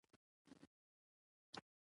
که له مرګه ځان ژغورې کوهي ته راسه